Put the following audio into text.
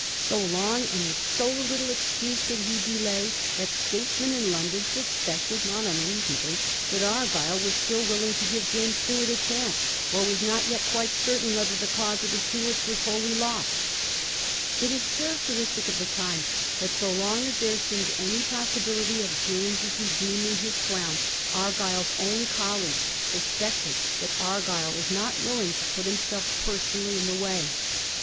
So long, and with so little excuse, did he delay, that statesmen in London suspected, not unreasonably, that Argyll was still willing to give James Stuart a chance, or was not yet quite certain whether the cause of the Stuarts was whoUy lost. Digiti zed by Google 168 A HISTORY OF THE FOUR GEORGES. ch. to. It is characteristic of the time that so long as there seemed any possibility of James redeeming his crown Argyll's own colleagues suspected that Argyll was not willing to put himself personally in the way.